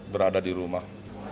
berada di rumah